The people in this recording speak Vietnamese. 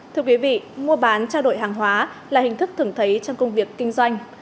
thưa quý vị mua bán trao đổi hàng hóa là hình thức thường thấy trong công việc kinh doanh